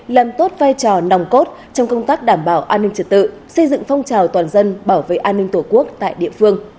làm tốt vai trò nòng cốt trong công tác đảm bảo an ninh trật tự xây dựng phong trào toàn dân bảo vệ an ninh tổ quốc tại địa phương